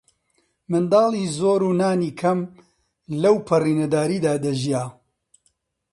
منداڵی زۆر و نانی کەم، لەوپەڕی نەداریدا دەژیا